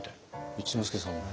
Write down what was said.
一之輔さんは？